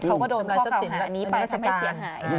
เขาก็โดนข้อเก่าหานี้ไปทำให้เสียหาย